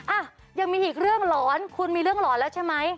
อ่ะยังมีอีกเรื่องหลอนคุณมีเรื่องหลอนแล้วใช่ไหม